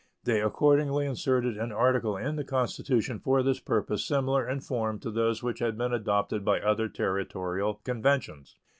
They accordingly inserted an article in the constitution for this purpose similar in form to those which had been adopted by other Territorial conventions.